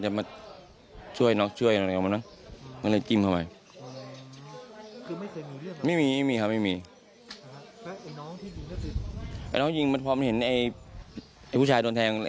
ไอ้น้องที่ยิงมันพอเห็นไอ้ผู้ชายโดนแทง